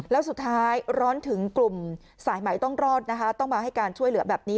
แล้วสุดท้ายร้อนถึงกลุ่มสายใหม่ต้องรอดนะคะต้องมาให้การช่วยเหลือแบบนี้